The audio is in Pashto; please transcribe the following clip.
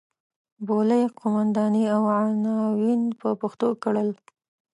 بولۍ قوماندې او عناوین په پښتو کړل.